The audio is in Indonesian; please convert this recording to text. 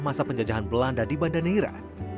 masa penjajahan belanda di banda neira